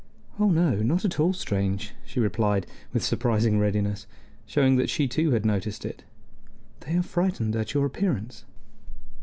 "Oh no, not at all strange," she replied, with surprising readiness, showing that she too had noticed it. "They are frightened at your appearance."